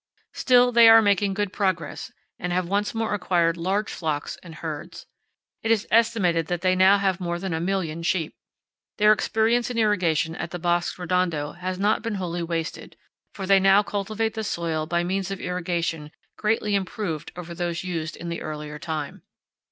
Still, they are making good progress, and have once more acquired large flocks and herds. It is estimated that they now have more than a million sheep. Their experience in irrigation at the Bosque Redondo has MESAS AND BUTTES. 53 not been wholly wasted, for they now cultivate the soil by methods of irrigation greatly improved over those used in the earlier time.